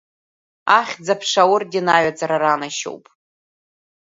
Ахьӡ-Аԥша Аорден аҩаӡара ранашьоуп…